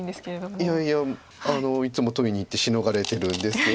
いやいやいつも取りにいってシノがれてるんですけれど。